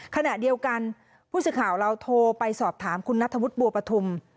ขณะเดียวกันผู้สื่อข่าวเราโทรไปสอบถามคุณนัทธวุฒิบัวปฐุม